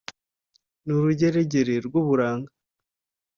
Ni urugeregere rw'uburanga,